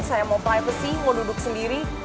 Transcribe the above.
saya mau privacy mau duduk sendiri